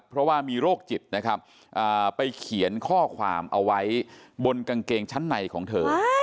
เพราะว่ามีโรคจิตนะครับไปเขียนข้อความเอาไว้บนกางเกงชั้นในของเธอ